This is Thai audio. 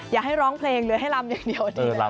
อย่าให้ร้องเพลงเลยให้ลำอย่างเดียว